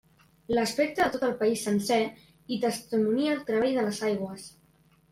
L'aspecte de tot el país sencer hi testimonia el treball de les aigües.